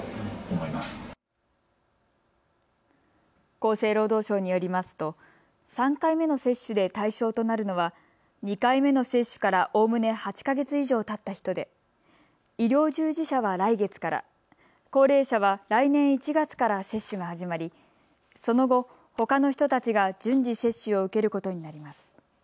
厚生労働省によりますと３回目の接種で対象となるのは２回目の接種からおおむね８か月以上たった人で医療従事者は来月から、高齢者は来年１月から接種が始まりその後、ほかの人たちが順次、接種を受けることになります。